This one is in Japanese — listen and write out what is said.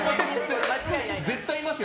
絶対いますよ。